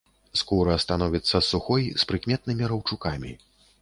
Скура становіцца сухой з прыкметнымі раўчукамі.